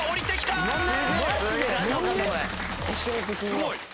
すごい。